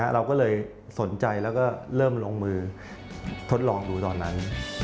เราก็เลยสนใจแล้วก็เริ่มลงมือทดลองดูตอนนั้น